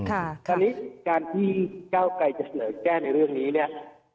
คราวนี้การที่ก้าวไกรจะเสนอแก้ในเรื่องนี้เนี่ย